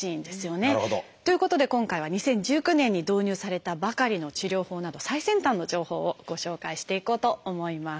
なるほど。ということで今回は２０１９年に導入されたばかりの治療法など最先端の情報をご紹介していこうと思います。